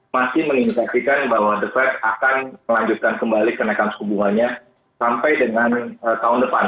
masih mengindikasikan bahwa the fed akan melanjutkan kembali kenaikan suku bunganya sampai dengan tahun depan